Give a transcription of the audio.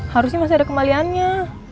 harusnya masih ada kembaliannya